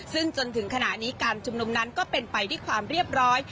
ซึ่งจนถึงขณะนี้การชุมนุมนั้นก็เป็นไปด้วยความเรียบร้อย